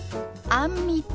「あんみつ」。